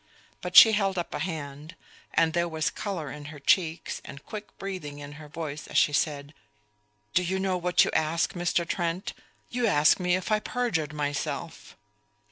But she held up a hand, and there was color in her cheeks and quick breathing in her voice as she said: "Do you know what you ask, Mr. Trent? You ask me if I perjured myself."